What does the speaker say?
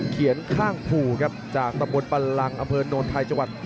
เขียนข้างผู่ครับจากตำบลปลัลลังค์อำเภอโนนไทยจังหวัด